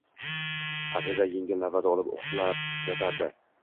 Аziza yengil nafas olib uxlab yotardi.